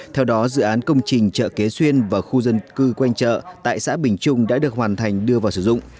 theo đó dự án công trình chợ kế xuyên và khu dân cư quanh chợ tại xã bình trung đã được hoàn thành đưa vào sử dụng